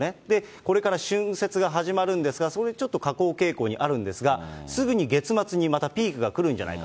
これから春節が始まるんですが、そこでちょっと下降傾向にあるんですがすぐに月末にまたピークが来るんじゃないか。